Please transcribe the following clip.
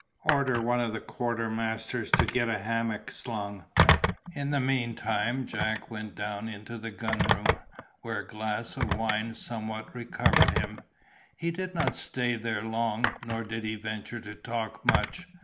Order one of the quartermasters to get a hammock slung." In the meantime Jack went down into the gun room, where a glass of wine somewhat recovered him. He did not stay there long, nor did he venture to talk much.